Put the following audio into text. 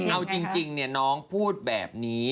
เอาจริงน้องพูดแบบนี้